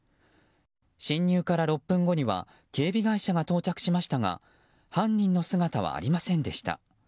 侵入から６分後には警備会社が到着しましたが犯人の姿はありませんでした。